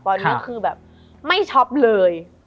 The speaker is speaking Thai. ตอนนี้คือแบบไม่ช็อปเลย